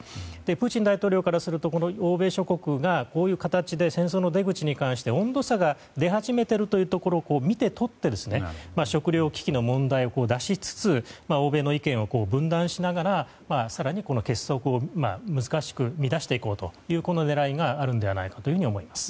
プーチン大統領からすると欧米諸国がこういう形で戦争の出口に関して温度差が出始めているところを見て取って食糧危機の問題を出しつつ欧米の意見を分断しながら更に結束を難しく乱していこうという狙いがあるのではないかと思います。